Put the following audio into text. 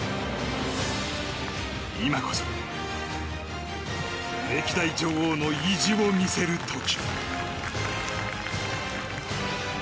今こそ歴代女王の意地を見せる時。